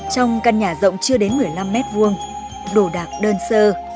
trong căn nhà rộng chưa đến một mươi năm m hai đồ đạc đơn sơ